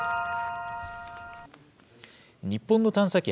日本の探査機